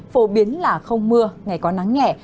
phổ biến là không mưa ngày có nắng nhẹ